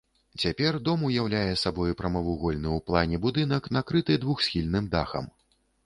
Цяпер дом уяўляе сабой прамавугольны ў плане будынак накрыты двухсхільным дахам.